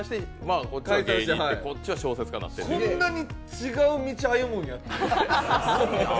こんなに違う道歩むんやって。